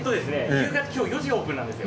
夕方今日４時オープンなんですよ。